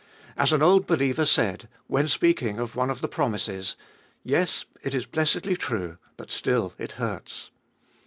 As an old believer said, when speaking of one of the promises, Yes, it is blessedly true ; but still it hurts.